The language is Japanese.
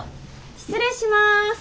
失礼します。